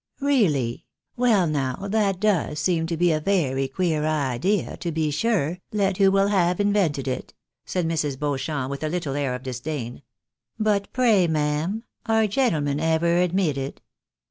" Really ! Well now, that does seem to be a very queer idea, to be sure, let who will have invented it !" said Mrs. Beauchamp, with a little air of disdain. " But pray, ma'am, are gentlemen ever admitted?